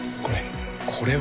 これ。